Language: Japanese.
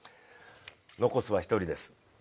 残すは１人です。